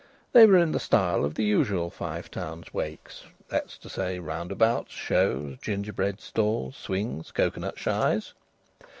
They were in the style of the usual Five Towns "wakes"; that is to say, roundabouts, shows, gingerbread stalls, swings, cocoanut shies.